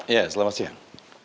iya selamat siang